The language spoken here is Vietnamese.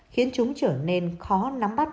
khiến chúng trở nên khó nắm bắt